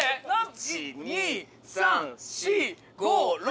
１・２・３・４・５・６。